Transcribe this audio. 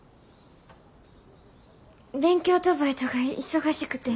勉強とバイトが忙しくて。